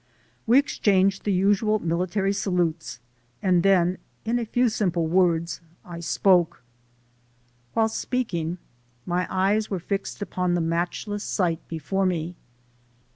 We exchanged the usual military salutes and then in a few simple words I spoke. While speaking, my eyes were fixed upon the matchless sight before me.